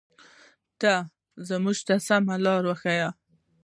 ته مونږ ته سمه لاره وښایه.